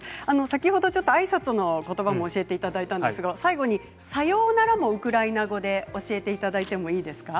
先ほど、ちょっとあいさつのことばも教えていただいたんですが最後にさよならもウクライナ語で教えていただいていいですか。